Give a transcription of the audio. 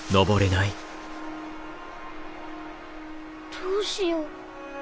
どうしよう。